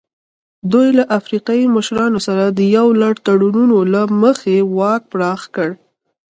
دوی له افریقایي مشرانو سره د یو لړ تړونونو له مخې واک پراخ کړ.